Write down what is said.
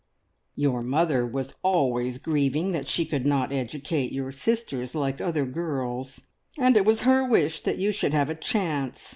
"Your mother was always grieving that she could not educate your sisters like other girls, and it was her wish that you should have a chance.